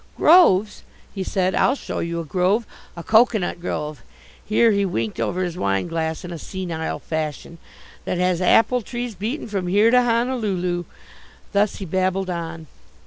"Groves!" he said. "I'll show you a grove, a coconut grove" here he winked over his wineglass in a senile fashion "that has apple trees beaten from here to Honolulu." Thus he babbled on.